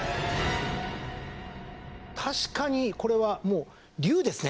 確かにこれはもう竜ですね！